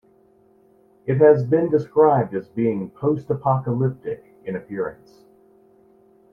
It has been described as being "post-apocalyptic" in appearance.